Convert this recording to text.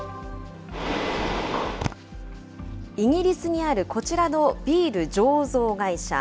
イギリスにあるこちらのビール醸造会社。